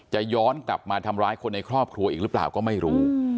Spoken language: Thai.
ย้อนกลับมาทำร้ายคนในครอบครัวอีกหรือเปล่าก็ไม่รู้